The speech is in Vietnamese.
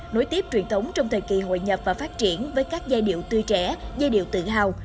nối tiếp truyền thống trong thời kỳ hội nhập và phát triển với các giai điệu tươi trẻ giai điệu tự hào